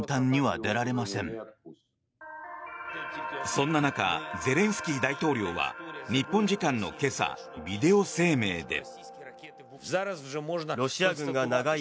そんな中ゼレンスキー大統領は日本時間の今朝ビデオ声明で。